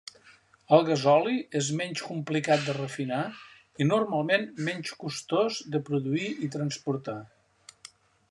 El gasoli és menys complicat de refinar i normalment menys costós de produir i transportar.